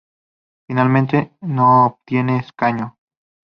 Finalmente, no obtiene escaño.